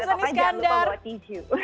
jangan lupa what did you